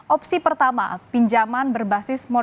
opsi pertama pinjaman berbasis modal